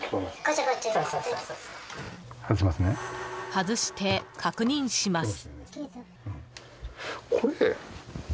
外して確認します。